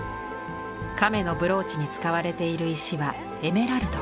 亀のブローチに使われている石はエメラルド。